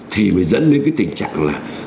thì mới dẫn đến cái tình trạng là